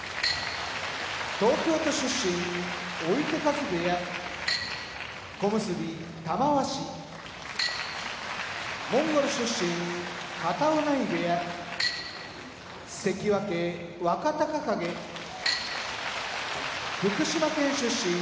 東京都出身追手風部屋小結・玉鷲モンゴル出身片男波部屋関脇・若隆景福島県出身